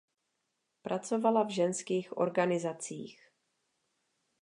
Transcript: Pracovala v ženských organizacích.